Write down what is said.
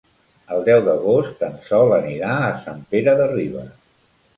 El deu d'agost en Sol anirà a Sant Pere de Ribes.